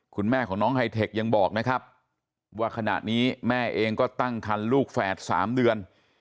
คุณแม่ของน้องไฮเทคยังบอกนะครับว่าขณะนี้แม่เองก็ตั้งคันลูกแฝด๓เดือน